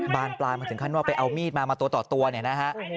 บ้านปลามาถึงข้างนอกไปเอามีดมามาต่อต่อตัวหน่อยนะฮะ